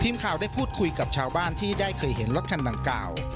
ทีมข่าวได้พูดคุยกับชาวบ้านที่ได้เคยเห็นรถคันดังกล่าว